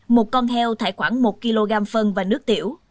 một con heo thải khoảng một kg phân và nước tiểu